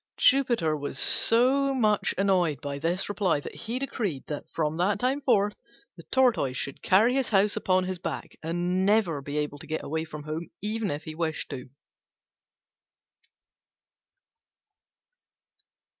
Jupiter was so much annoyed by this reply that he decreed that from that time forth the Tortoise should carry his house upon his back, and never be able to get away from home even if he wished to.